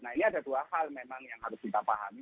nah ini ada dua hal memang yang harus kita pahami